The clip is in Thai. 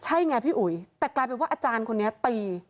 ใช่ไงพี่อุ๋ยแต่กลายเป็นว่าอาจารย์คนนี้ตี